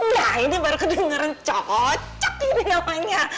nah ini baru kedengeran cocok ini namanya